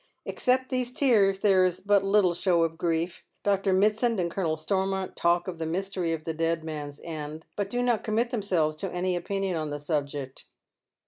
Except these tears there is but little show of grieP. Dr. Mitsand and Colonel Stormont talk of the mystery of the dead man's end, but do not commit themselves to any opinion on the subject.